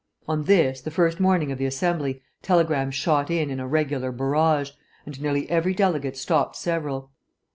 On this, the first morning of the Assembly, telegrams shot in in a regular barrage, and nearly every delegate stopped several.